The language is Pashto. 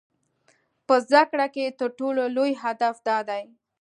په زده کړه کې تر ټولو لوی هدف دا دی.